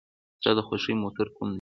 ستا د خوښې موټر کوم دی؟